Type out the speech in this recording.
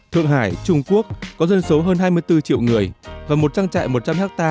thượng hải trung quốc có dân số hơn hai mươi bốn triệu người và một trang trại một trăm linh ha